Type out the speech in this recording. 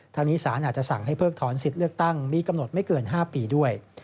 ทางนี้สารอาจจะสั่งให้เพิกถอนสิทธิ์เลือกตั้งมีกำหนดไม่เกิน๕ปีด้วย